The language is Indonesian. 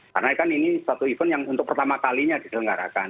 karena kan ini satu event yang untuk pertama kalinya diselenggarakan